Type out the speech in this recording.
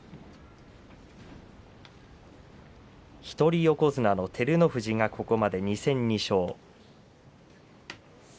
一人横綱の照ノ富士がここまで２戦２勝。